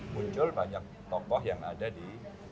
muncul banyak tokoh yang ada di